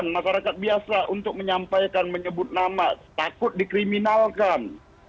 masyarakat biasa untuk menyampaikan menyebut nama takut dikriminalkan